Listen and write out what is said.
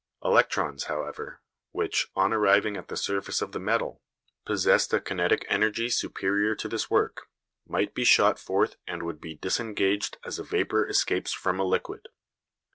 Electrons, however, which, on arriving at the surface of the metal, possessed a kinetic energy superior to this work, might be shot forth and would be disengaged as a vapour escapes from a liquid.